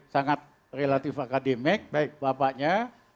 sangat relatif akademik bapaknya